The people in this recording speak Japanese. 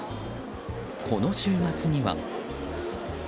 この週末には。